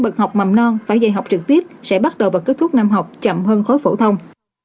các học sinh đầm non phải dạy học trực tiếp sẽ bắt đầu và kết thúc năm học chậm hơn khối phổ thông